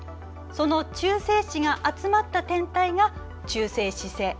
その中性子が集まった天体が中性子星。